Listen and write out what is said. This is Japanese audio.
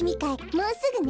もうすぐね。